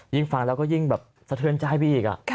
ฟังแล้วก็ยิ่งแบบสะเทือนใจไปอีก